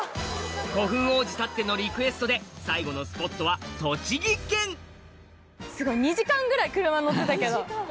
古墳王子たってのリクエストで最後のスポットは栃木県すごい２時間ぐらい車に乗ってたけど。